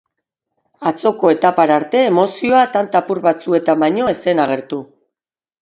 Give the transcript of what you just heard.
Atzoko etapara arte, emozioa tanta apur batzuetan baino ez zen agertu.